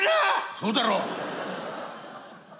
「そうだろう」。